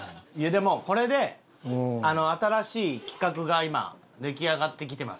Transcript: でもこれで新しい企画が今出来上がってきてます。